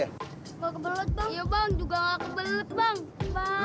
gak kebelet bang